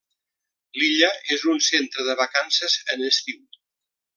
L'illa és un centre de vacances en estiu.